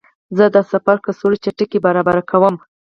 زه د سفر کڅوړه چټکه برابره کړم.